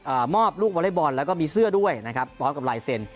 มอบลูกวอเล็กบอลแล้วก็มีเสื้อด้วยนะครับพร้อมกับลายเซ็น